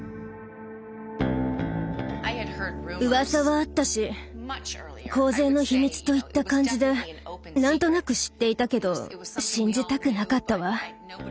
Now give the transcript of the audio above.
うわさはあったし公然の秘密といった感じで何となく知っていたけど信じたくなかったわ。